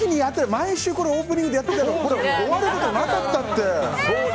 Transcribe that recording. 毎週オープニングでやってたら終わることなかったって！